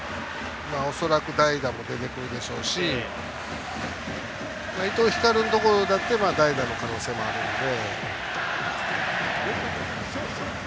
恐らく代打も出てくるでしょうし伊藤光のところだって代打の可能性もあるので。